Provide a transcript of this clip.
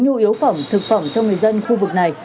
nhu yếu phẩm thực phẩm cho người dân khu vực này